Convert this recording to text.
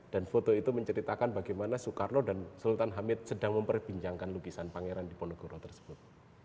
dan foto itu menceritakan bagaimana soekarno dan sultan hamid sedang memperbincangkan lukisan pangeran dimonegoro tersebut